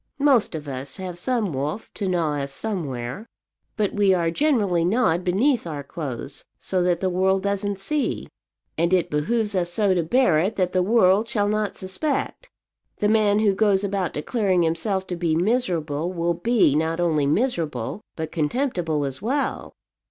Most of us have some wolf to gnaw us somewhere; but we are generally gnawed beneath our clothes, so that the world doesn't see; and it behoves us so to bear it that the world shall not suspect. The man who goes about declaring himself to be miserable will be not only miserable, but contemptible as well."